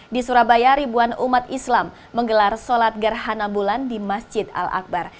di surabaya ribuan umat islam menggelar sholat gerhana bulan di masjid al akbar